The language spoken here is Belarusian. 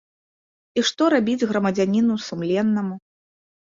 І што рабіць грамадзяніну сумленнаму?